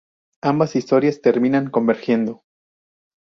Ambas historias terminan convergiendo.